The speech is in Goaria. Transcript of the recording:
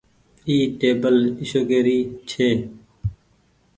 اي ٽيبل اشوڪي ري ڇي۔